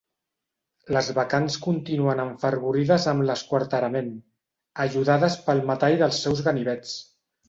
Les bacants continuen enfervorides amb l'esquarterament, ajudades pel metall dels seus ganivets.